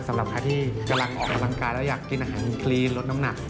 สำหรับใครที่กำลังออกกำลังกายแล้วอยากกินอาหารคลีนลดน้ำหนัก